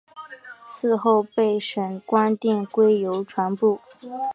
嗣后各省官电归邮传部。